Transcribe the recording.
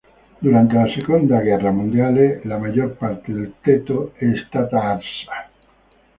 Durante la seconda guerra mondiale la maggior parte del tetto è stata arsa.